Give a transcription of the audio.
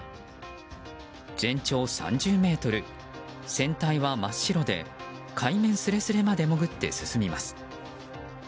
全長３０ｍ、船体は真っ白で海面すれすれまで潜って進みます。